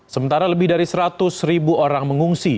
sementara lebih dari seratus ribu orang mengungsi